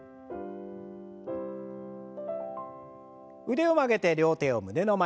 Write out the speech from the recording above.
腕を曲げて両手を胸の前。